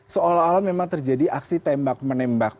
seolah olah memang terjadi aksi tembak menembak